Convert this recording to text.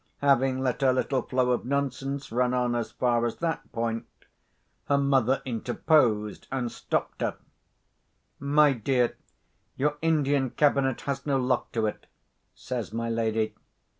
Having let her little flow of nonsense run on as far as that point, her mother interposed and stopped her. "My dear! your Indian cabinet has no lock to it," says my lady.